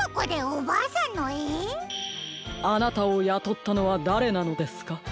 あなたをやとったのはだれなのですか？